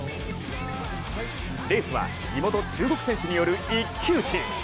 レースは地元・中国選手による一騎打ち。